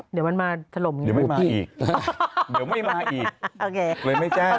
เดี๋ยวไม่มาอีกเลยไม่จ้าง